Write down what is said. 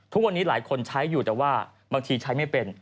ทุกวันนี้หลายคนใช้อยู่แต่ว่าบางทีใช้ไม่เป็น